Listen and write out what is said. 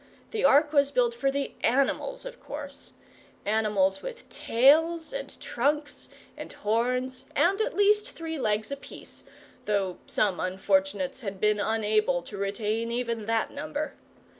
The Ark was built for the animals, of course animals with tails, and trunks, and horns, and at least three legs apiece, though some unfortunates had been unable to retain even that number.